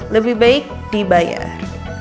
lebih baik dibayar